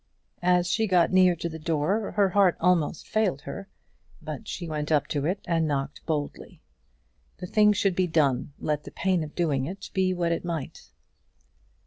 As she got near to the door her heart almost failed her; but she went up to it and knocked boldly. The thing should be done, let the pain of doing it be what it might.